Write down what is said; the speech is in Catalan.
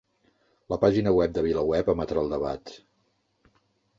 La pàgina web de VilaWeb emetrà el debat